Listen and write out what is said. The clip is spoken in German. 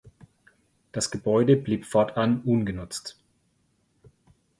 Das Gebäude blieb fortan ungenutzt.